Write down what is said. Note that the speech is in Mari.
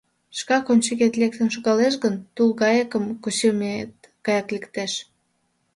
Шкак ончыкет лектын шогалеш гын, Тулгайыкым кучымет гаяк лектеш.